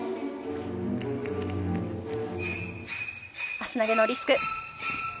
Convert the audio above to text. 足投げのリスク。